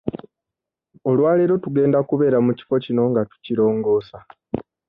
Olwaleero tugenda kubeera mu kifo kino nga tukirongoosa.